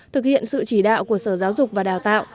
thực hiện sự chỉ đạo của sở giáo dục và đào tạo